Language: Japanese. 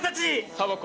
サボ子